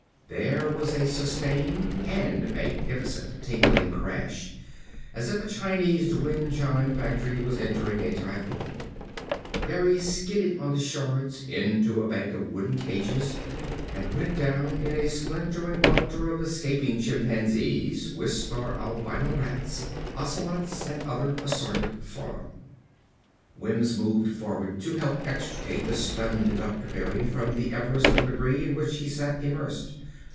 There was a sustained and magnificent tinkling crash as if a Chinese wind chime factory was entertaining a typhoon. Berry skidded on the shards into a bank of wooden cages and went down in a splintering welter of escaping chimpanzees, Wistar albino rats, ocelots and other assorted fauna. Wims moved forward to help extricate the stunned Dr. Berry from the Everest of debris in which he sat immersed.